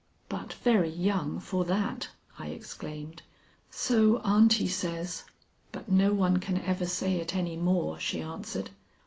"But very young for that," I exclaimed. "So aunty says, but no one can ever say it any more," she answered.